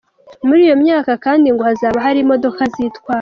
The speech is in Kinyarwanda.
Muri iyo myaka kandi ngo hazaba hari imodoka zitwara.